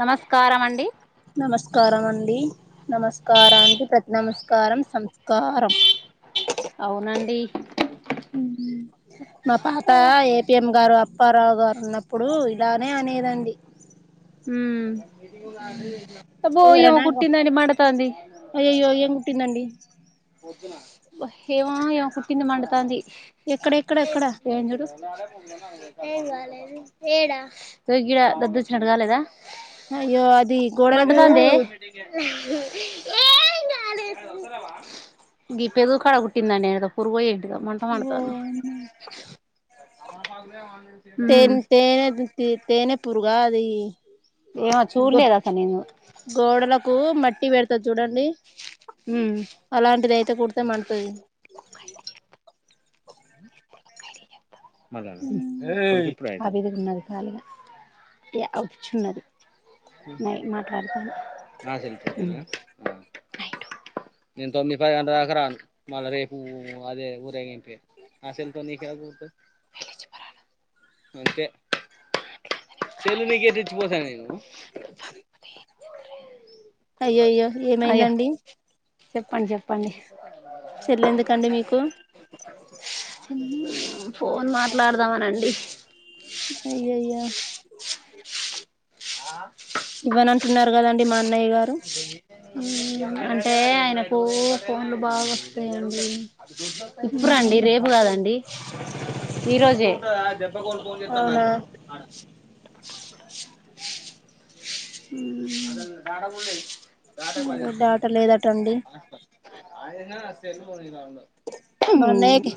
నమస్కారమనండి నమస్కారం అండి నమస్కారానికి ప్రతి నమస్కారం సంస్కారం అవునండి మా పాత ఏపిఎం గారు అప్పారావు గారు ఉన్నప్పుడు ఇలానే అనేది నండి హమ్ అబ్బో ఏమో ఎవరైనా కుుటిందడి మండుతుంది అయ్యయ్యో ఏం కుట్టిందండి ఏమో ఏం కుట్టింద మంట తాంది ఎక్కడ ఎక్కడ ఎక్కడ ఏందుడు ఏం రాలేదు ఏడా దొడ దదుొచ్చినట్డుగాలేేదా అయ్యో అది గోడలకు ఏం కాలేదు ఈ పెదవు కాడ కుట్టిందండి, పురుగూ ఏంటో ఓ ఉమ్ టెన్త్ ట పూ రుగా అది ఏమో చూడలేదస నేను కు మట్టి పెడతది చూడండి ఉమ్ అలాంటిదియితే కుడితే మంటతుంది మళ ఏ అభిప్రా ఆ మీదిగా ఉన్నది కాలుగా ఏ అచున్నది అ మాట్లాడుతాను నా చెప్పు నేను తొమ్మిది పదిండ అకరాను మళ్ళా రేపు అదే ఊరేంపి ఆ సెల్తో నీకే అంటే చెల్లు నీకే తెచ్చిపోతాను నేను అయ్యో అయ్యో అయ్యో ఏమైందండి చెప్పండి చెప్పండి సెల్ ఎందుకండి మీకు ఫోన్ మాట్లాడదామనండి అయ్యాయి అయ్యో ఆ ఇవ్వనంటున్నారు కదండి మా అన్నయ్య గారు అంటే ఆయనకు ఫోన్లు బాగా వస్తాయంండి ఇప్పుడుండి రేపు కాదండి ఈరోజే దెబ్బ ఫోన్ చెస్తా నాకు అవునా మ్మ్ చండాలంగా ఉంది డాట లేదటండి అది సెల్ పోయిన మ అన్నయకి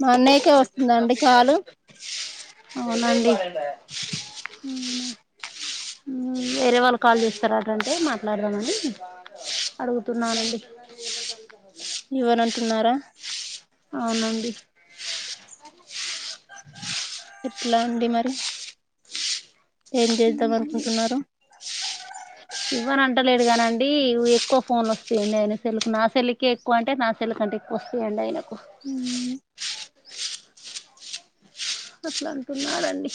మ అన్నయకే వస్తుందండి కాలు అవునండి హ్మ్ మ్మ్ వేరే వాళ్ళు కాల్ చేస్తారాటంటే మాట్లాడదామని అడుగుతున్నానండి ఇవ్వను అంటున్నారా అవునండి ఎట్లా అండి మరి ఏం చేద్దాం అనుకుంటున్నారు ఇవ్వని అంటలేడు కానీ అండి ఎక్కువ ఫోన్ వస్తాయండి ఆయన సెల్ కి నా సెల్లుకే ఎక్కువ అంటే నా సెల్లు క అంటే ఎక్కువ వస్తాయంండి ఆయనకు అట్లా అంటున్నాడుండి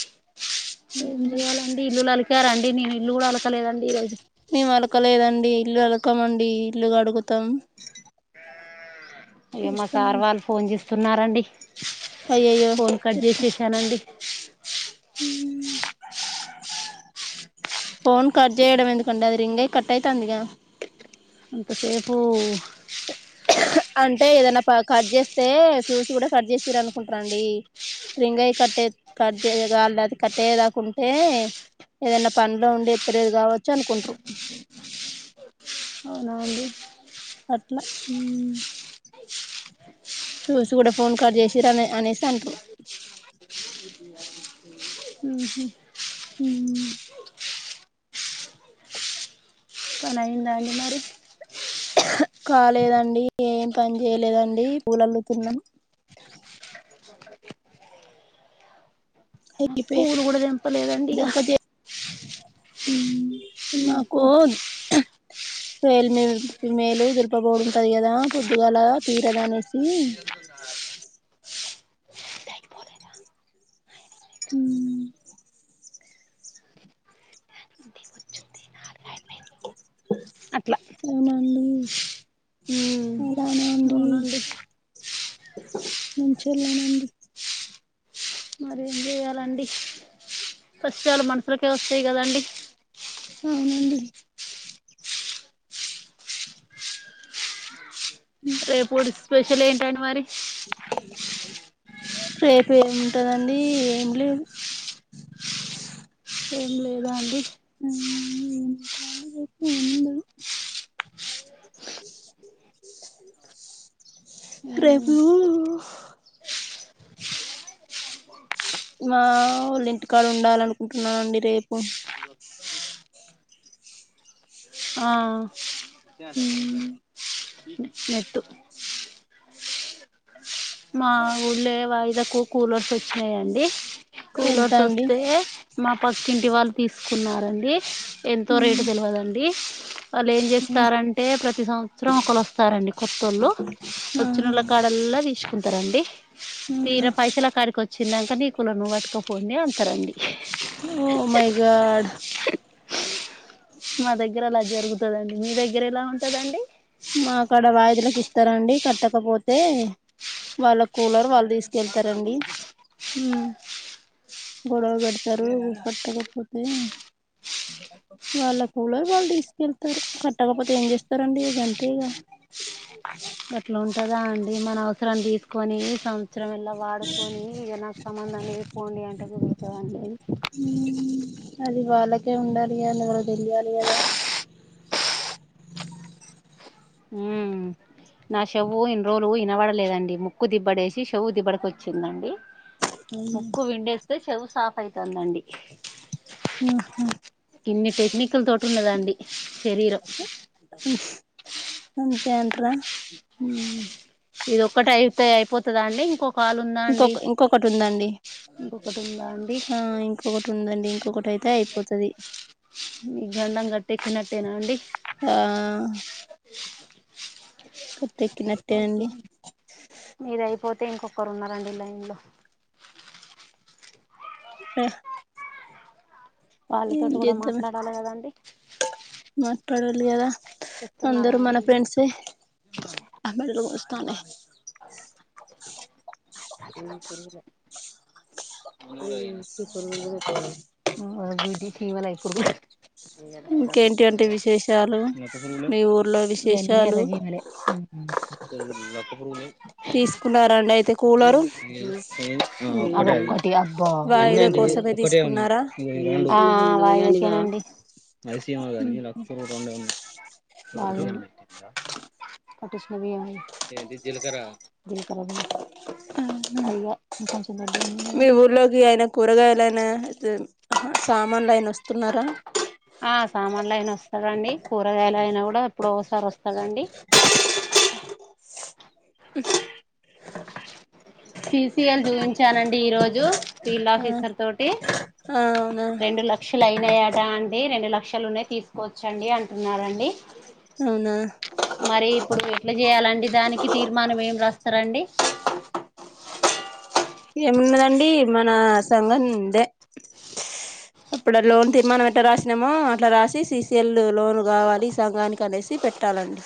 ఏం చెయాలండి ఇల్లులు అలకారండి నేను ఇల్లు కూడా అలకలేదండి ఈ రజు మేము అలకలేదండి ఇల్లు అలకమండి ఇల్లు కడుగు త్తం అయ్యా మా సార్ వాళ్ళు ఫోన్ చేస్తున్నారండి అయ్యయ్యో ప ఫోన్ కట్చెయడం ఎందుకండి అది రింగయి కట్టయితంది గా ఇంతసేపూ అంటే ఏదన్నా ప కట్ చేస్తే చూసి కూడా కట్ చేసీరు అనుకుంటరండి రింగై కట్టై కట్ చేయ్ లేక కట్టయ్యేదాకుంటే ఏదన్నా పనిలో ఉండి ఎత్తలేేది కావచ్చు అనుకుంట్రు అవునా అండి అట్లా చూసి కూడా ఫోన్ కాల్ చేసిరనే అనేసి అంటారు మ్మ్ పని అయిందా అండి మరి కాలేదండి ఏం పని చేయలేదండి పూలు అల్లుతున్నాం పూలు కూడా తెంపలేదండి ఇక అక మ్మ్ మాకు పేల్ మేలు దుర్గపొడు ఉంటయి కదా పొద్దుగాల తీరదు అనేసి మ్మ్ అట్లా ఉమ్ ఏమండిదనండి అవునండి మంచోళ్ళేనండి మరి ఏం చేయాలండి కష్టాలు మనుషులకే వస్తాయి కదండి అవునండి రేపు ఊడుస్ స్పెషల్ ఏంటండి మరి రేపు ఏముంటదండి ఏం లేదు ఏం లేదా అండి [inaudible] రేపూ మా వోళ్ళ ఇంటి కాడ ఉండాల నుకుంటున్నానండి రేపు ఆ హ్మ్ నెట్టు మా ఊళ్ళే వాయిదకు కూలర్స్ వచ్చినాయండి ఎంత కూలర్స్ అండి వస్తే మా పక్కింటి వాళ్ళు తీసుకు కున్నారండి ఎంతో రేటు తెలవదండి వాళ్ళు ఏం చేస్తారంటే ప్రతి సంవత్సరం ఒకళ్లు వస్తారండి కొత్తోళ్ళు ఆ వచ్చినోళ్ళ కాడల్లా తీసుకుంటారు తారండి అవునా తీర పైసల కాడికొచ్చి చ్చినంక నీ కూలర్ నువ్వు పట్టుకపోండి అంటరండి ఓ మై గాడ్ మా దగ్గర అలా జరుగుతదండి మీ దగ్గర ఎలా ఉంటదండి మా కాడ వాయిదలకు ఇస్తారండి కట్టకపోతే వాళ్ళ కూలర్ వాళ్ళు తీసుక మ్ గొడవ పెడతారు కట్టకపోతే వాళ్ళ కూలర్ వాళ్ళు తీసుకెళ్తారు కట్టకపోతే ఏం చేస్తారండి ఇగా గం తే ఇగా గట్ల ఉంటదా అండి మన అవసరానికి తీసుకొని సం వత్సరం ఎలా వాడుకొని ఇగా నాకు సంబంధం లేదు పోండి అంటే కుదురుతదా అండి అది అది వాళ్ళకే ఉండాలి కద ఎవరో తెలియాలి కదా ఉ నా షేవ్వు ఇన్ని రోజులు వినబడలేదండి ముక్కు దిబ్బడ వేశి షేవ్వు దిబ్బడక వచ్చిందండి ముక్కు విండేస్తే చెవు సాఫ్ అయితాందండి ఆ హ్ ఇన్ని టెక్నిక్ లు తోటి ఉన్నది అండి అంతే అంటరా మ్ ఇదో ఒకటి అయితే అయిపోతద అండి ఇంకొ ఇంకొక ఇంకొకటి ఉందండి ఇంకొకటి ఉందా అండి ఆ ఇంకొకటి ఉందండి ఇం ఒకటైతే అయిపోతది మీ గండం గట్టేక్కినట్టేనా అండి ఆ కట్టెక్కినట్టే ఓకే అండి మీది అయిపోతే అయితే ఇంకొకరు ఉన్నారండి లైన్లో హ్ వాళ్ళతోటి కూడా మాట్లాడాలి కదండి [unintelligible] డోళ్లు కదా తెస్తున్నారా అందరూ అండి మన బియ్యం ఫ్రెండ్సే ఆ మేడలు నొస్తానయ్ [unintelligible] మ్ ఈ పురుగులు చూడు ఎట్లున్నాయ్ ఆ [unintelligible] చీమలే ఇప్పుడు కూడా [unintelligible] ఇంకేంటి అంటే విశేషాలు లక్క పురుగులు మీ ఊర్లో ఇవన్నీ ఎర్ర విశేషాలు చీమలే [unintelligible] లక్క పురుగులు తీసుకున్నారండి అయితే కూలర్ ఉమ్ అదే టియా కోసమే తీసుకున్నారా ఆ ఆ [unintelligible] అండి ఐసీమా గాని లక్పూర్ రెండే ఉన్నాయి [unintelligible] జీలకర్ర బియ్యం అల్ల ఇంకోచం కట్టి మీ ఊర్లోకి ఆయన కూరగాయలనా ఆహా సామాన్లు అయన వస్తున్నారా ఆ సామాన్లు అయినా వస్తాడండి కూరగాయలు అయినా కూడా ఎప్పుడు ఒకసారి వస్తాడండి సిఫియన్ చూపించానండి ఈ రోజు జు ఫీల్డ్ ఆఫీసర్ తోటి ఆ అవునా రెండు లక్షలు అయినాయాట అంట లే రెండు లక్షలు ఉన్నాయి తీసుకోవచ్చండి అంటున్నారండి అవునా మరి ఇప్పుడు ఎట్లా చేయాలండి దానికి తీర్మానం ఏం రాస్తారండి ఏమున్నదండి మన సంఘం ఇందే అప్పుడ లోన్ తీర్మానం ఎట్ట రాసినమో అట్లా రాసి సిసిఎల్ లోన్ కావాలి ఈ సంఘానికి అనేసి పెట్టాలండి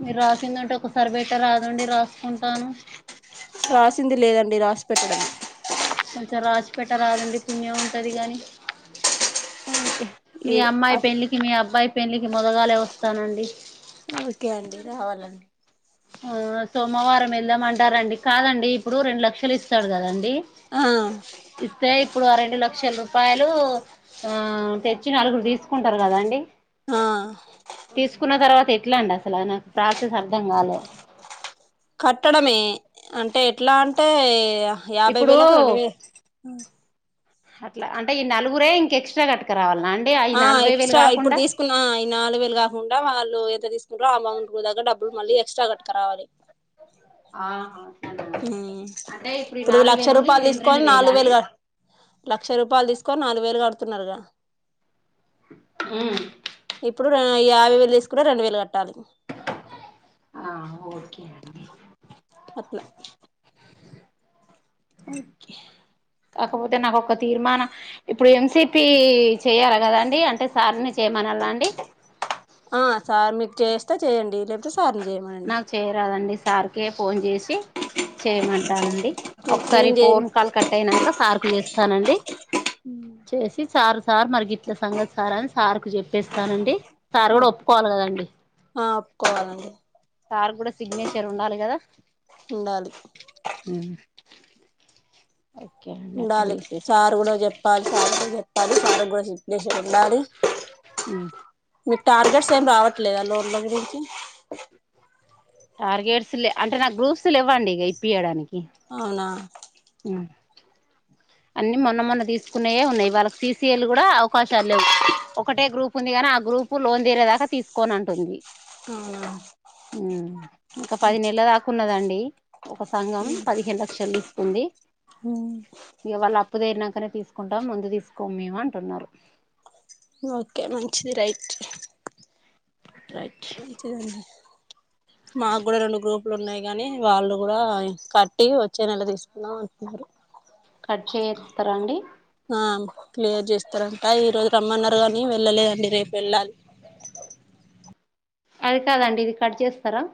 మీరు రాసిందివుంటే ఒకసరి పెట్ట రాదండి రాసుకుంటాను రాసింది లేదండి రాసి పెట్టడం కొంచెం రాసిపేట రాదండి పుణ్యం ఉంటది గాని మీ ఓకే ఏ అమ్మాయి పెళ్లికి మీ అబ్బాయి పెళ్లికి మొదగాలే వస్తానండి ఓకే అండి రావాలండి ఆ సోమవారం వెళ్దామంటారండి కాదండి ఇప్పుడు రెండు లక్షలు ఇస్తాడు కదండి ఆ ఇస్తే ఇప్పుడు ఆ రెండు లక్ష చలో పాయలు ఆ తెచ్ చ్చి నలుగురు తీసుకుంటారు కదా అండి ఆ తీసుకున్న తర్వాత ఎట్లా అండి అసలయన ప్రాసెస్ అర్థం కాలే కట్టడమే అంటే ఎట్లా అంటే యాభై ఇప్పుడు వేలకులకు రెండు వేలు అట్లా అంటే ఈ నలుగురే ఇంక ఎక్స్ట్రా కట్టుకరావాల ఆ ఎక్స్ట్రా ఇప్పుడు తీసుకున్నా ఈ నాలుగు వేలు కాకుండా వాళ్ళు తీసుకుంటారో ఆ అమౌంట్ కి తగ్గ డబ్బులు మళ్ళ ఎస్ట్రా కట్టుకరావాలి ఆహా అట్లానా ఉమ్ అంటే ఈ ఇప్పుడు నాలుగు లక్ష వేలు ఉన్నాయి రూపాయలు ఈ రెండు రెండు తీసుకొని వేలా నాలుగు వేలు అండి కట్ లక్ష రూపాయలు తీసుకొని నాలుగు వేలు కడుత్ చెప్తున్నారుగా హ్మ్మ్ ఇప్పుడు యాభై వేలు ఎసుకున్నా రెండు వేల ఆహ ఓకే అండి అట్లా కాకపోతే నాకు ఒక తీర్మానం ఇప్పుడు ఎంసిపి చేయాల కదండి అంటే సార్ని చేయమనాలా అండి ఆ సార్మి కే వత్తే చేయండి సార్ని చేయమనండి నాకు చేయరామండి స్ సార్కే ఫోన్ చేసి చేయమంటానండి ఒకసారి నేను చేయను ఫోన్ కాల్ కట్ అయినాంక సార్కు చేస్తానండి చేసి సారు సార్ మరి గిట్ల సంగతి సార్ అని సార్కు చెప్పేస్తానండి సారు కూడా ఒప్పుకోవాల్ల కదండి ఆ ఒప్పుకోవాలండి సార్ కి కూడా సిగ్నేచర్ ఉండాలి కదా ఉండాలి ఓకే అండి అట్లా చూడలి చేసేస్తా సార్ కూడ చెప్పాలి [unintelligible] తది సారగొజు మీకు టార్గెట్స్ ఏమి రావట్లేదా లోన్ల గురించి అంటే నాకు గ్రూప్స్ లు లేవ్వండి ఇక ఇప్పియడానికి అవునా మ్మ్ అన్ని మొన్న మొన్న తీసుకున్నయే ఉన్నాయి వాళ్ళకి సీసీఎల్ కూడా అవకాశాలు లేవు ఒకటే గ్రూప్ ఉంది కాని ఆ గ్రూప్ లోన్ తీరేదాకా తీసుకోనటుంది అవునా ఇంకా పది నెలల దాకున్నదండి ఒక సంఘం పదిహేను లక్షలు తీసుకుంది అప్పు తిరినాకనే తీసుకుంటాం ముందు తీసుకోం మేము అంటున్నారు ఓకే మంచిది రైట్ రైట్ వుంచాలి మాకు కూడా రెండు గ్రూపులు ఉన్నాయి కానీ వాళ్ళు కూడా కట్టి వచ్చే నెల తీసుకుందాం అంటున్నారు కట్ చేత్తారా అండి అవును క్లియర్ చేస్తారంట ఈరోజు రమ్మన్నారు కానీ వెళ్ళలేదండి రేపు వెళ్ళాలి అది కాదండి ఇది కట్ చేస్తారా